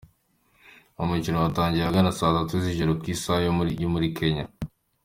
Umukino watangiye ahagana saa tanu z’ijoro ku isaha yo muri Kenya.